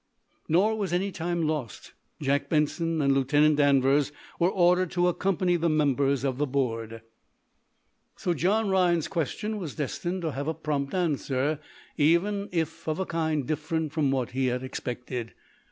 Nor was any time lost. Jack Benson and Lieutenant Danvers were ordered to accompany the members of the board. So John Rhinds's question was destined to have a prompt answer, even if of a kind different from what he had expected.